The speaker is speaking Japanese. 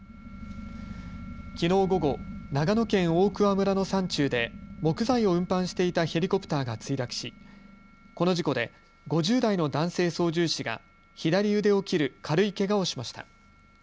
きのう午後、長野県大桑村の山中で木材を運搬していたヘリコプターが墜落しこの事故で５０代の男性操縦士が左腕を切る軽いけがをしました。